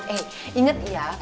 eh inget ya